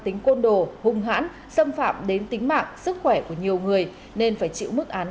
tính côn đồ hung hãn xâm phạm đến tính mạng sức khỏe của nhiều người nên phải chịu mức án